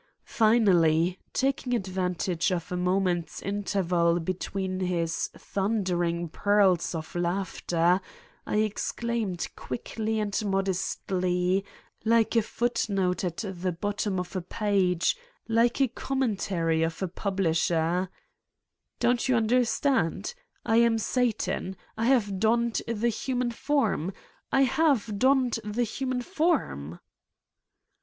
Finally, taking advantage of a moment's interval between his thundering peals of laughter, I exclaimed quickly and modestly ... like a footnote at the bottom of a page, like a com mentary of a publisher: " Don't you understand: I am Satan. I have donned the human form! I have donned the human form